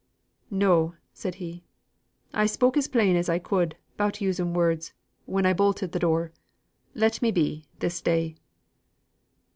"No," said he. "I spoke as plain as I could, 'bout using words, when I bolted th' door. Let me be, this day."